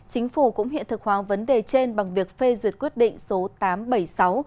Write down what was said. chính phủ cũng hiện thực hóa vấn đề trên bằng việc phê duyệt quyết định số tám trăm bảy mươi sáu